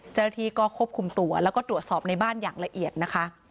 เจ้าหน้าที่ก็ควบคุมตัวแล้วก็ตรวจสอบในบ้านอย่างละเอียดนะคะ